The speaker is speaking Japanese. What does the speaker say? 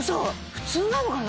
普通なのかな？